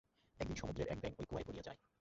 একদিন সমুদ্রের এক ব্যাঙ ঐ কুয়ায় পড়িয়া যায়।